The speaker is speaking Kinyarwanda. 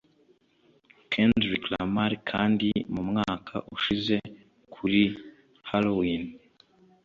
Kendrick Lamar kandi mu mwaka ushize kuri Halloween